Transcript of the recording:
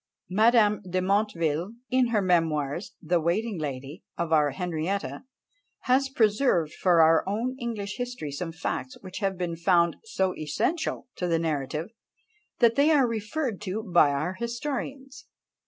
Madame de Motteville, in her Memoirs, "the waiting lady" of our Henrietta, has preserved for our own English history some facts which have been found so essential to the narrative, that they are referred to by our historians.